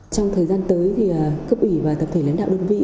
trong thời gian tới thì cấp ủy và tập thể lãnh đạo đơn vị